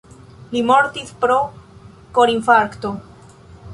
Li mortis pro korinfarkto.